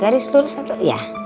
garis lurus atau iya